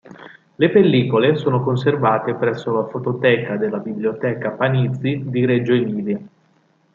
Le pellicole sono conservate presso la fototeca della Biblioteca Panizzi di Reggio Emilia.